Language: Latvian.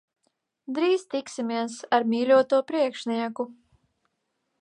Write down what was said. Drīz tiksimies ar mīļoto priekšnieku.